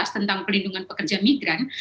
tentang pelindungan pekerja migran